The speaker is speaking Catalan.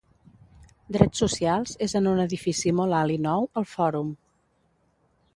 Drets Socials és en un edifici molt alt i nou, al Fòrum.